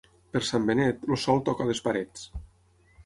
Per Sant Benet, el sol toca les parets.